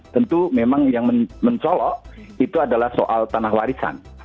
tentu memang yang mencolok itu adalah soal tanah warisan